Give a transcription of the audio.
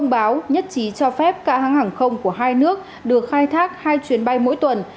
báo nhất trí cho phép cả hàng không của hai nước được khai thác hai chuyến bay mỗi tuần